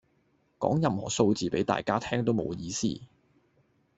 講任何數字俾大家聽都冇意思